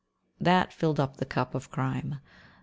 That filled up the cup of crime.